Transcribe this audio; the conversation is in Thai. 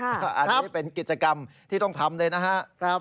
อันนี้เป็นกิจกรรมที่ต้องทำเลยนะครับ